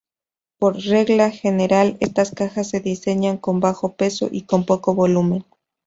Por regla general estas cajas se diseñan con bajo peso y con poco volumen.